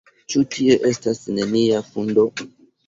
Ĉu tie estas nenia fundo?